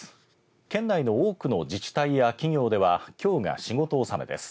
県内の多くの自治体や企業ではきょうが仕事納めです。